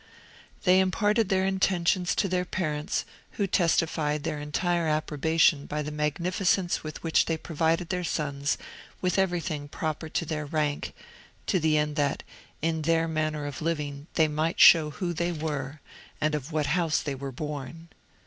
They imparted their intentions to their parents, who testified their entire approbation by the magnificence with which they provided their sons with every thing proper to their rank, to the end that, in their manner of living, they might show who they were, and of what house they were born.